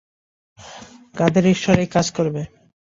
কাদের ঈশ্বর এই কাজ করবে?